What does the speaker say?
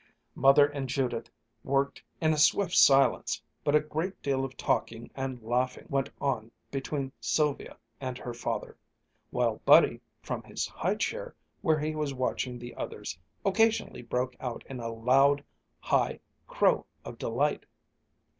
Mother and Judith worked in a swift silence, but a great deal of talking and laughing went on between Sylvia and her father, while Buddy, from his high chair where he was watching the others, occasionally broke out in a loud, high crow of delight.